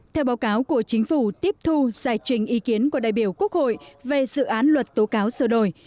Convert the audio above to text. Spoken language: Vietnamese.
theo báo cáo của chính phủ tiếp thu giải trình ý kiến của đại biểu quốc hội về dự án luật tố cáo sửa đổi